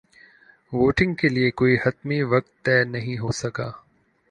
voting کے لیے کوئی حتمی وقت طے نہیں ہو سکا